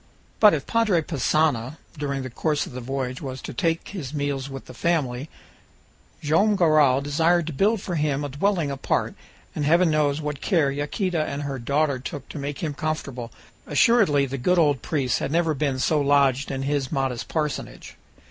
But if Padre Passanha during the course of the voyage was to take his meals with the family, Joam Garral desired to build for him a dwelling apart, and heaven knows what care Yaquita and her daughter took to make him comfortable! Assuredly the good old priest had never been so lodged in his modest parsonage!